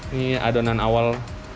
ini adonan awal